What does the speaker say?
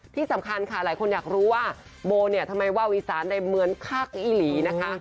ที่สำคัญค่ะหลายคนอยากรู้ว่าโบเนี่ยทำไมว่าอีสานได้เหมือนภาคอีหลีนะคะ